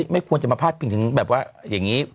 ไม่ควรจะมาพลาดเพิงอย่างนี้